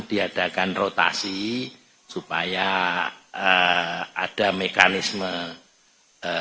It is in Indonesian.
diadakan rotasi supaya ada mekanisme